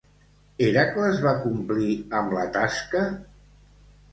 Hèracles va complir amb la tasca?